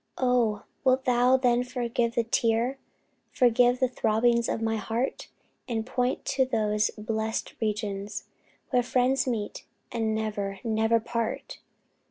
Oh! wilt thou then forgive the tear? Forgive the throbbings of my heart? And point to those blest regions, where Friends meet, and never, never part!